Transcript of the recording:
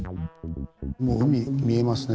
もう海見えますね